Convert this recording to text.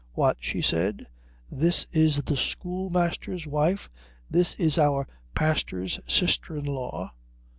"What?" she said. "This is a schoolmaster's wife? This is our pastor's sister in law?